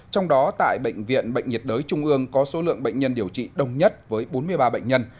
trong đó tại bệnh viện bệnh nhiệt đới trung ương có số lượng bệnh nhân điều trị đồng nhất với bốn mươi ba bệnh nhân